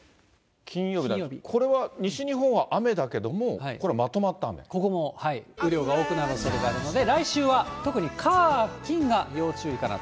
西日本は雨だけれども、これここも、雨量が多くなるおそれがあるので、来週は、特に、火、金が要注意かなと。